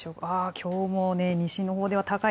きょうも西のほうでは高い。